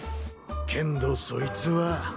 けんどそいつは。